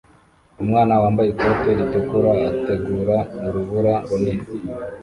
Umwana wambaye ikote ritukura ategura urubura runini